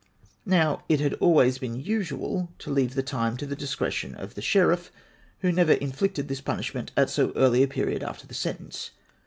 Now it had always been usual to leave the time to the discretion of the Sheriff, who never inflicted this punishment at so early a period after the sentence.